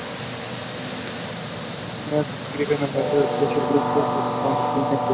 Miers describe numerosas especies de ese subcontinente.